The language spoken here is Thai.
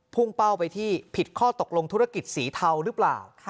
เป้าไปที่ผิดข้อตกลงธุรกิจสีเทาหรือเปล่า